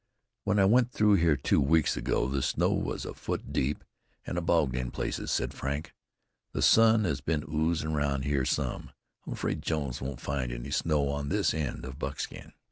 "When I went through here two weeks ago, the snow was a foot deep, an' I bogged in places," said Frank. "The sun has been oozin' round here some. I'm afraid Jones won't find any snow on this end of Buckskin."